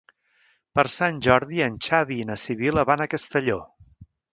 Per Sant Jordi en Xavi i na Sibil·la van a Castelló.